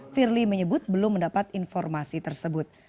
firly menyebut belum mendapat informasi tersebut